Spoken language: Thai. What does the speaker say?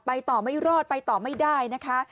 ต่อไม่รอดไปต่อไม่ได้นะคะ